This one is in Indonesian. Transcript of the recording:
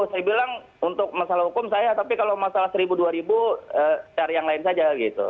saya bilang untuk masalah hukum saya tapi kalau masalah seribu dua ribu cari yang lain saja gitu